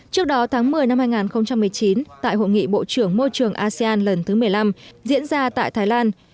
trước đó tháng một mươi năm hai nghìn một mươi chín tại hội nghị bộ trưởng môi trường asean lần thứ một mươi năm diễn ra tại thái lan